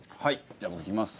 じゃあ僕いきます。